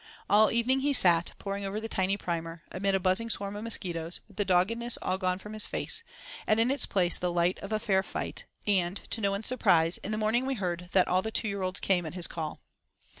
All evening he sat, poring over the tiny Primer, amid a buzzing swarm of mosquitoes, with the doggedness all gone from his face, and in its place the light of a fair fight, and, to no one's surprise, in the morning we heard that "all the two year olds came at his call."